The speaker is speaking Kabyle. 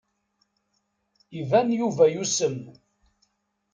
Iban Yuba yusem.